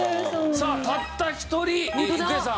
さあたった１人郁恵さん。